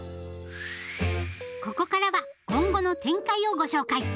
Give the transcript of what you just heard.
ここからは今後の展開をご紹介！